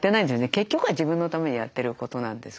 結局は自分のためにやってることなんですけどね。